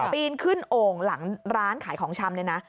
ปีนขึ้นโอ่งหลังร้านขายของชำเลยนะ